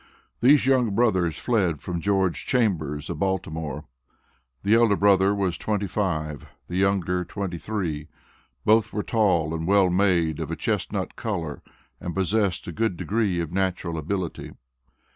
These young brothers fled from George Chambers of Baltimore. The elder brother was twenty five, the younger twenty three. Both were tall and well made and of a chestnut color, and possessed a good degree of natural ability.